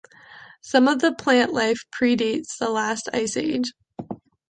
Some of the plant life predates the last ice age.